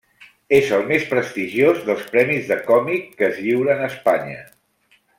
És el més prestigiós dels premis de còmic que es lliuren a Espanya.